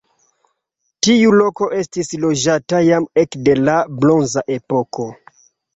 Tiu loko estis loĝata jam ekde la bronza epoko.